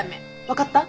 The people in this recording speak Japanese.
分かった？